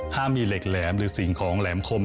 ถ้ามีเหล็กแหลมหรือสิ่งของแหลมคม